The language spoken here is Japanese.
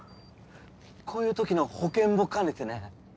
こういう時の保険も兼ねてね。